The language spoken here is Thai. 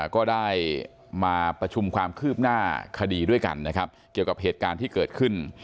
ก็ได้มาประชุมความคืบหน้าคดีด้วยกันนะครับเกี่ยวกับเหตุการณ์ที่เกิดขึ้น